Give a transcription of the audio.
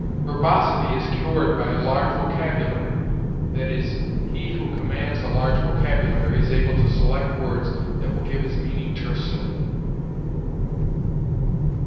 "Verbosity is cured by a large vocabulary"; that is, he who commands a large vocabulary is able to select words that will give his meaning tersely.